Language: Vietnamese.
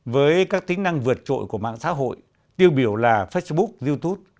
với các tính năng vượt trội của mạng xã hội tiêu biểu là facebook youtube